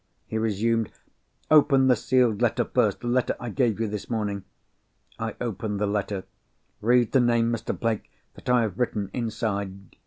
he resumed. "Open the sealed letter first—the letter I gave you this morning." I opened the letter. "Read the name, Mr. Blake, that I have written inside."